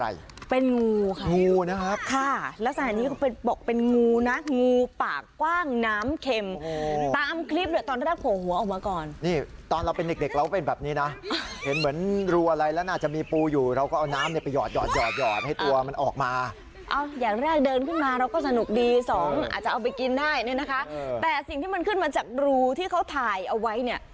สนุกดีสองอาจจะเอาไปกินได้นี่นะคะแต่สิ่งที่มันขึ้นมาจากรูที่เขาถ่ายเอาไว้เนี่ย